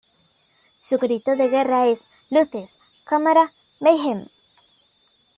Su grito de guerra es "Luces, Cámara, Mayhem!